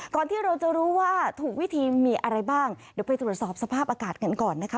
ที่เราจะรู้ว่าถูกวิธีมีอะไรบ้างเดี๋ยวไปตรวจสอบสภาพอากาศกันก่อนนะคะ